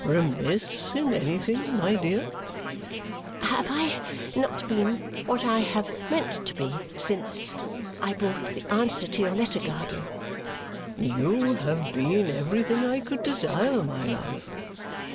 "Remiss in anything, my dear!" "Have I not been what I have meant to be since I brought the answer to your letter, guardian?" "You have been everything I could desire, my love."